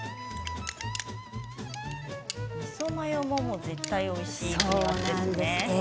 みそマヨも絶対においしいですよね。